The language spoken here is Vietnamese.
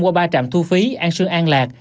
qua ba trạm thu phí an sương an lạc